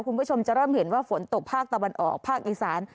คุณผู้ชมจะเริ่มเห็นว่าฝนตกภาคตะวันออกภาคอีสาน